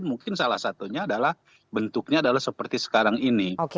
dan mungkin salah satunya adalah bentuknya adalah seperti sekarang ini